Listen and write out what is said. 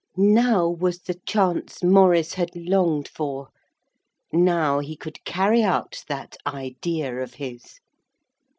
Now was the chance Maurice had longed for. Now he could carry out that idea of his.